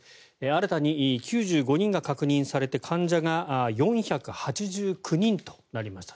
新たに９５人が確認されて患者が４８９人となりました。